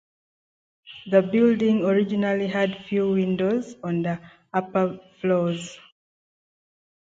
The building originally had few windows on the upper floors.